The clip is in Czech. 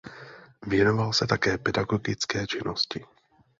Věnoval se také pedagogické činnosti.